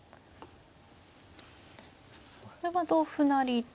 これは同歩成。